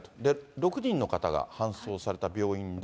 ６人の方が搬送された病院で。